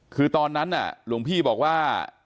คือตอนนั้นหลวงพี่บอกว่า